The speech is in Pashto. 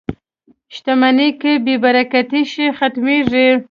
• شتمني که بې برکته شي، ختمېږي.